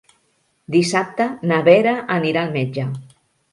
Dissabte na Vera anirà al metge.